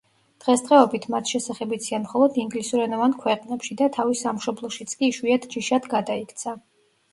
დღესდღეობით მათ შესახებ იციან მხოლოდ ინგლისურენოვან ქვეყნებში და თავის სამშობლოშიც კი იშვიათ ჯიშად გადაიქცა.